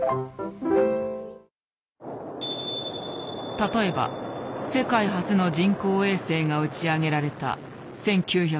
例えば世界初の人工衛星が打ち上げられた１９５７年。